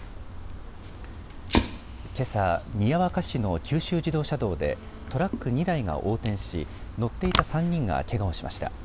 けさ、宮若市の九州自動車道でトラック２台が横転し乗っていた３人がけがをしました。